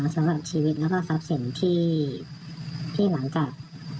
สำหรับชีวิตและซับเสนที่หลังจาก